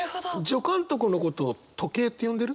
助監督のこと「時計」って呼んでる？